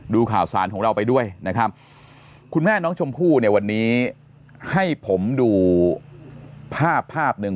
ดูข่าวสารของเราไปด้วยนะครับคุณแม่น้องชมพู่เนี่ยวันนี้ให้ผมดูภาพภาพหนึ่ง